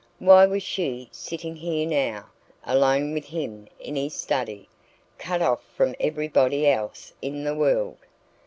Why was she sitting here now, alone with him in his study, cut off from everybody else in the world?